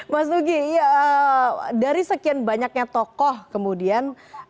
mas nugi dari sekian banyaknya tokoh kemudian